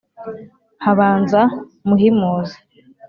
habanza muhimuzi